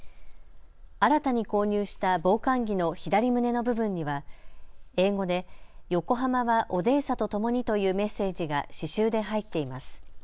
新たに購入した防寒着の左胸の部分には英語で横浜はオデーサと共にというメッセージが刺しゅうで入っています。